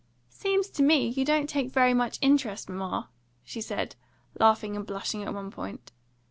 "Seems to me you don't take very much interest, mamma!" she said, laughing and blushing at one point.